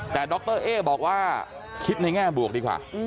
แต่ดรเอ๊บอกว่าคิดในแง่บวกดีกว่า